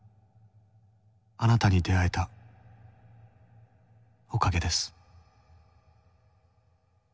あなたに出会えたおかげです